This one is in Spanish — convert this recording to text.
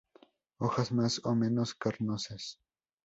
Hojas más o menos carnosas.